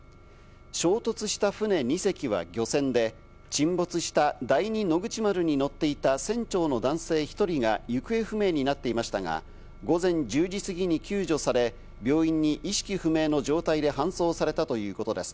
衝突した船２隻は漁船で沈没した第二野口丸に乗っていた船長の男性１人が行方不明になっていましたが、午前１０時すぎに救助され、病院に意識不明の状態で搬送されたということです。